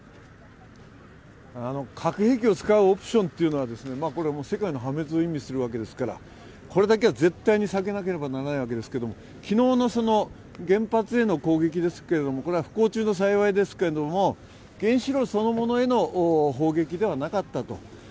核兵器を使うオプションというのは世界の破滅を意味するわけですからこれだけは絶対に避けなければならないわけですけれども、昨日の原発への攻撃ですがこれは不幸中の幸いですけれども原子炉そのものへの砲撃ではなかったと。